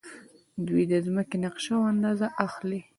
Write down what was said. دوی د ځمکې نقشه او اندازه اخلي.